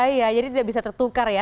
iya jadi tidak bisa tertukar ya